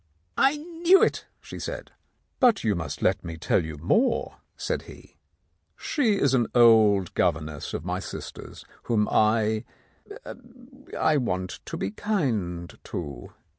"I knew it," she said. "But you must let me tell you more," said he. "She is an old governess of my sister's, whom I — I want to be kind to.